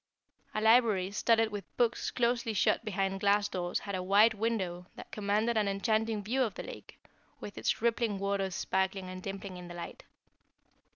A library studded with books closely shut behind glass doors had a wide window that commanded an enchanting view of the lake, with its rippling waters sparkling and dimpling in the light.